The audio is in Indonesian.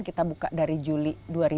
kita buka dari juli dua ribu delapan belas